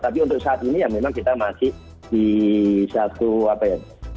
tapi untuk saat ini ya memang kita masih di satu apa ya